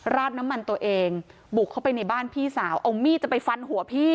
ราดน้ำมันตัวเองบุกเข้าไปในบ้านพี่สาวเอามีดจะไปฟันหัวพี่